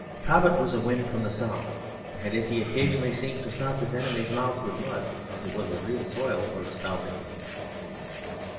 Cobbett was a wind from the South; and if he occasionally seemed to stop his enemies' mouths with mud, it was the real soil of South England.